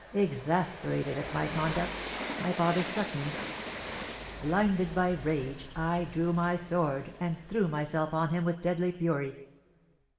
Exasperated at my conduct, my father struck me. Blinded by rage, I drew my sword, and threw myself on him with deadly fury.